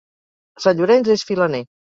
Sant Llorenç és filaner.